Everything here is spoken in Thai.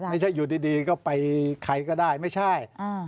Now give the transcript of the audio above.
ไม่ใช่อยู่ดีก็ไปใครก็ได้ไม่ใช่